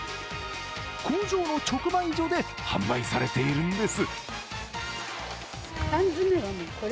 工場の直売所で販売されているんです。